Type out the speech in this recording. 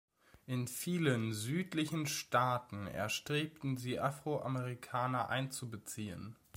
In vielen südlichen Staaten erstrebten sie Afroamerikaner einzubeziehen.